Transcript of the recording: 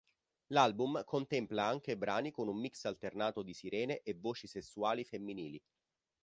L'album contempla anche brani con un mix alternato di sirene e voci sessuali femminili.